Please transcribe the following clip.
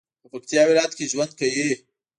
په پکتیا ولایت کې ژوند کوي